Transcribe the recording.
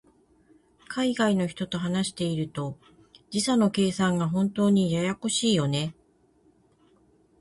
海外の人と話していると、時差の計算が本当にややこしいよね。